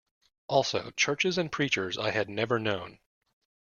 Also, churches and preachers I had never known.